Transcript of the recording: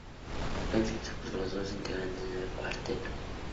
Fue escrita por todos los integrantes del cuarteto.